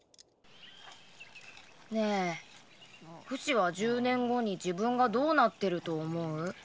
ねえフシは１０年後に自分がどうなってると思う？